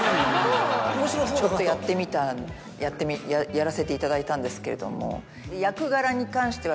ちょっとやってみたやらせていただいたんですけれども。